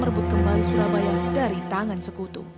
merebut kembali surabaya dari tangan sekutu